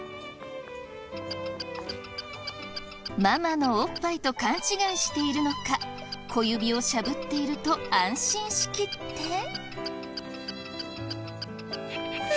ママのおっぱいと勘違いしているのか小指をしゃぶっていると安心しきって。